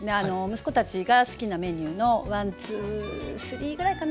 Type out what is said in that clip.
息子たちが好きなメニューのワンツースリーぐらいかな？